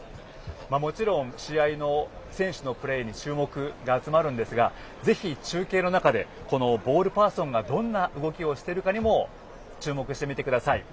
もちろん、選手のプレーに注目が集まるんですがぜひ、中継の中でこのボールパーソンがどんな動きをしてるかにも注目してみてください。